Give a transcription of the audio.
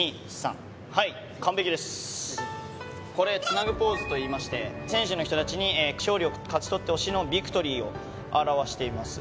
これ、ツナグポーズといいまして、選手の人たちに勝利をかちとってほしいビクトリーを表しています。